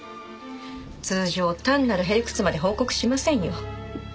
通常単なる屁理屈まで報告しませんよ。